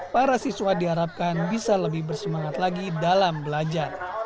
para siswa diharapkan bisa lebih bersemangat lagi dalam belajar